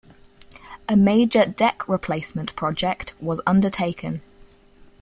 A major deck replacement project was undertaken.